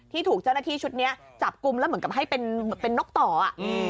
ถูกเจ้าหน้าที่ชุดนี้จับกลุ่มแล้วเหมือนกับให้เป็นเหมือนเป็นนกต่ออ่ะอืม